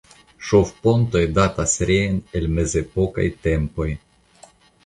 Ŝovpontoj datas reen el mezepokaj tempoj.